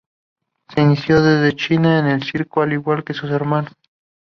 Se inició desde chica en el circo al igual que sus hermanos.